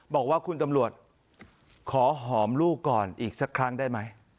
บอกว่าคุณตำรวจขอหอมลูกก่อนอีกสักครั้งได้ไหม